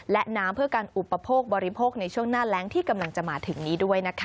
และน้ำเพื่อการอุปโภคบริโภคในช่วงหน้าแรงที่กำลังจะมาถึงนี้ด้วยนะคะ